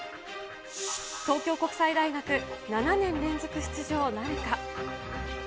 東京国際大学、７年連続出場なるか。